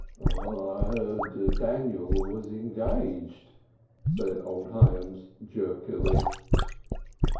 "I heard Daniel was engaged," said old Hyams jerkily.